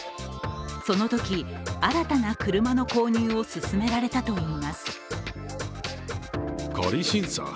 そのとき、新たな車の購入を勧められたといいます。